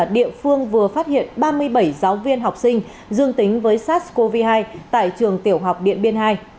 địa phương vừa phát hiện ba mươi bảy giáo viên học sinh dương tính với sars cov hai tại trường tiểu học điện biên hai